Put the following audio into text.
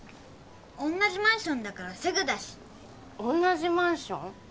同じマンションだからすぐだし同じマンション？